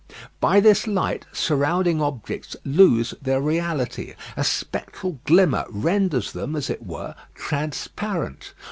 By this light, surrounding objects lose their reality. A spectral glimmer renders them, as it were, transparent.